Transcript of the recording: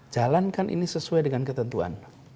jalankan ini sesuai dengan ketentuan